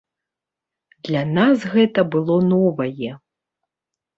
Для нас гэта было новае.